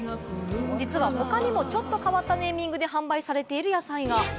実は他にもちょっと変わったネーミングで販売されている野菜が。